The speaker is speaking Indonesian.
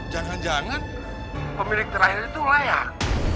jangan jangan pemilik terakhir itu layak